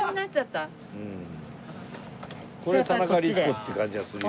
これ田中律子って感じがするよ。